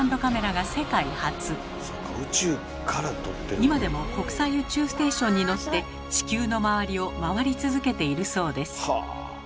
今でも国際宇宙ステーションにのって地球の周りを回り続けているそうです。